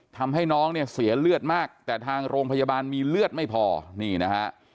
ทำให้น้องเนี่ยเสียเลือดมากแต่ทางโรงพยาบาลมีเลือดไม่พอนี่นะฮะ